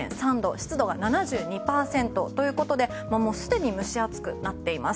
湿度は７２％ということですでに蒸し暑くなっています。